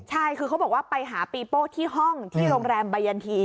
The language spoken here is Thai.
ใช่คือเขาบอกว่าไปหาปีโป้ที่ห้องที่โรงแรมบายันที